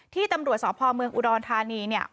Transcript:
ตำรวจสพเมืองอุดรธานีเนี่ย